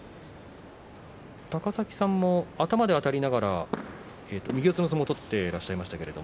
高崎さんも頭であたりながら右四つの相撲を取っていましたよね。